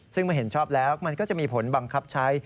ซึ่งเมื่อเห็นชอบแล้วมันก็จะมีผลบังคับใช้